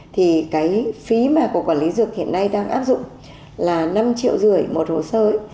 thì cái phí mà cục quản lý dược hiện nay đang áp dụng là năm triệu rưỡi một hồ sơ